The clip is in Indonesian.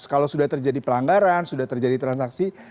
kalau sudah terjadi pelanggaran sudah terjadi transaksi